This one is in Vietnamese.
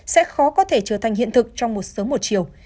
sẽ khó có thể trở thành hiện thực trong một sớm một chiều